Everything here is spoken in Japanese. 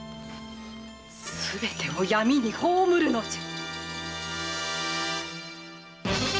すべてを闇に葬るのじゃ！